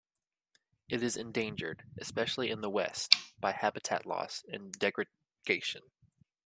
It is endangered, especially in the west, by habitat loss and degradation.